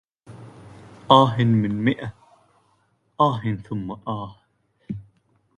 آه من مية آه ثم آه